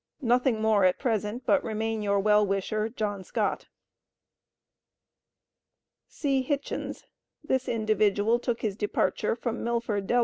Nothing more at present but Remain your well wisher JOHN SCOTT. C. Hitchens. This individual took his departure from Milford, Del.